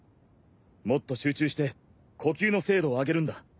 もっと集中して呼吸の精度を上げるんだ。